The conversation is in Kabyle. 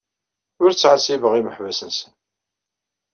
Ur ttɛettibeɣ imeḥbas-nsen.